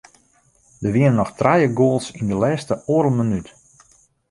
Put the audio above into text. Der wiene noch trije goals yn de lêste oardel minút.